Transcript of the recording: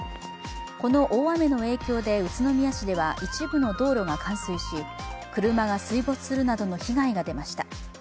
この大雨の影響で、宇都宮市では一部の道路が冠水し、車が水没するなどの被害が出ました。